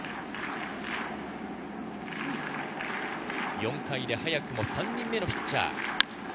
４回で早くも３人目のピッチャー。